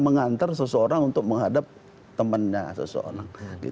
mengantar seseorang untuk menghadap temannya seseorang